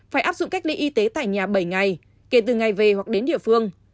phải áp dụng cách ly y tế tại nhà bảy ngày kể từ ngày về hoặc đến địa phương